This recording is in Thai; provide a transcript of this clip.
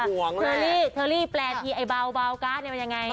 ห่วงแหละเธอรี่แปลทีไอ้เบาเบากะนี่มันยังไง